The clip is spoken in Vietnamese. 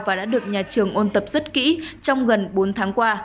và đã được nhà trường ôn tập rất kỹ trong gần bốn tháng qua